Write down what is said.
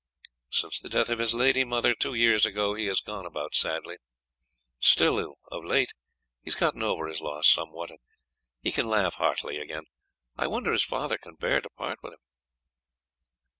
Since the death of his lady mother two years ago he has gone about sadly, still of late he has gotten over his loss somewhat, and he can laugh heartily again. I wonder his father can bear to part with him."